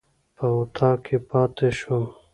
په اطاق کې پاتې شوم.